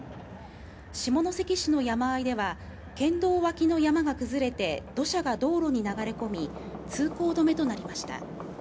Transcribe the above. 下関市の山あいでは県道脇の山が崩れて土砂が道路に流れ込み、通行止めとなりました。